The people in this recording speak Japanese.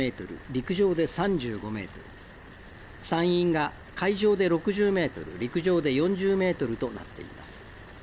陸上で３５メートル、山陰が海上で６０メートル、陸上で４０メートルとなっています。